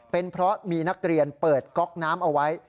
เป็นเพราะมีนักเรียนเปิดก๊อกน้ำเอาไว้